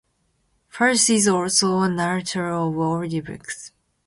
Firth is also a narrator of audiobooks.